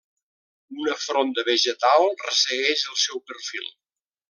Una fronda vegetal ressegueix el seu perfil.